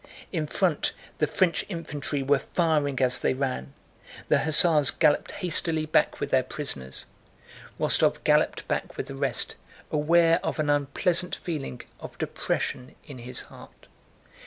In front, the French infantry were firing as they ran. The hussars galloped hastily back with their prisoners. Rostóv galloped back with the rest, aware of an unpleasant feeling of depression in his heart.